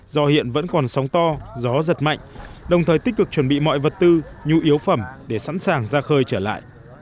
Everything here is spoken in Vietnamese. do hiện vẫn còn sóng to gió giật mạnh đồng thời tích cực chuẩn bị mọi vật tư nhu yếu phẩm để sẵn sàng ra khơi trở lại